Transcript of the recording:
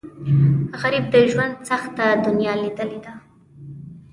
غریب د ژوند سخته دنیا لیدلې ده